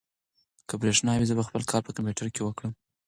که برېښنا وي، زه به خپل کار په کمپیوټر کې وکړم.